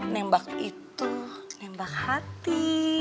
nembak itu nembak hati